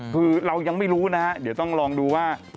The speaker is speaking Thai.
คือเรายังไม่รู้นะฮะเดี๋ยวต้องลองดูว่า